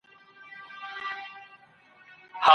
ارواپوهنه د زده کړي بهیر تر څېړني لاندي نیسي.